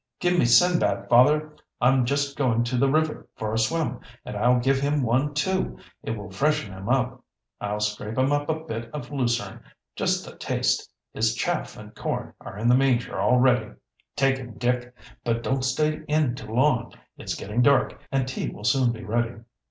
"Give me Sindbad, father; I'm just going down to the river for a swim, and I'll give him one too. It will freshen him up. I'll scrape him up a bit of lucerne, just a taste; his chaff and corn are in the manger all ready." "Take him, Dick; but don't stay in too long. It's getting dark, and tea will soon be ready."